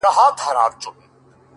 خو هغه زړور زوړ غم ژوندی گرځي حیات دی’